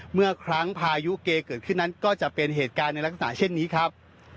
เมื่อครั้งพายุเกเกิดขึ้นนั้นก็จะเป็นเหตุการณ์ในลักษณะเช่นนี้ครับ